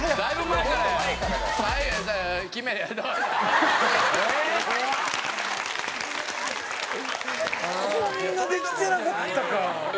こんなできてなかったか？